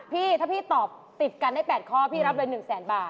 พี่ถ้าพี่ตอบติดกันได้๘ข้อพี่รับเลย๑แสนบาท